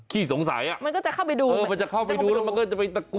ขี้สงสัยน่ะเธอจะเข้าไปดูมันจะเอาไปดูไม่แย่มันจะเข้าไปดู